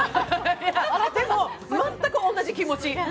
でも、全く同じ気持ち。